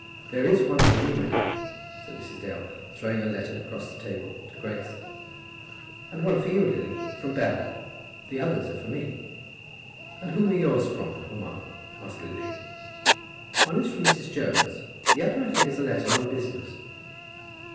"There is one for you, my dear," said Mrs. Dale, throwing a letter across the table to Grace. "And one for you, Lily, from Bell. The others are for me." "And whom are yours from, mamma?" asked Lily. "One is from Mrs. Jones; the other, I think, is a letter on business."